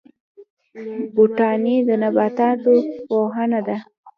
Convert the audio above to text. بوټاني د نباتاتو پوهنه ده